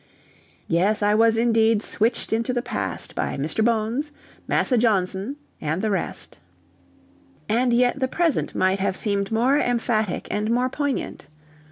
Yes, I was indeed switched into the past by Mr. Bones, Massa Jawns'n and the rest. And yet the present might have seemed more emphatic and more poignant.